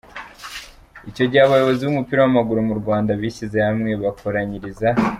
Icyo gihe abayobozi b’umupira w’amaguru mu Rwanda bishyize hamwe bakoranyiriza